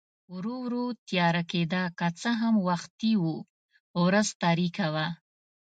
ورو ورو تیاره کېده، که څه هم وختي و، ورځ تاریکه وه.